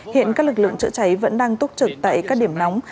hiện các lực lượng chữa cháy vẫn đang túc trực tại các điểm nóng